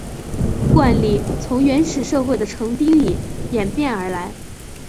冠礼从原始社会的成丁礼演变而来。